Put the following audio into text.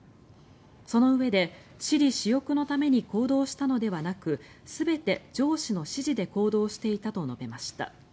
そのうえで、私利私欲のために行動したのではなく全て上司の指示で行動していたと述べました。